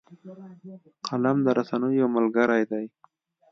قلم د رسنیو ملګری دی